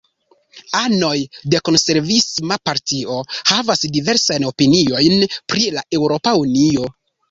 Anoj de Konservisma Partio havas diversajn opiniojn pri la Eŭropa Unio.